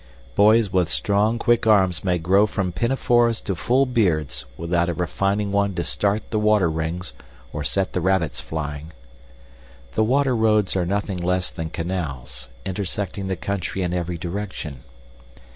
Boys with strong, quick arms may grow from pinafores to full beards without ever finding one to start the water rings or set the rabbits flying. The water roads are nothing less than canals intersecting the country in every direction.